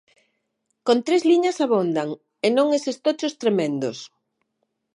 "Con tres liñas abondan, e non eses tochos tremendos".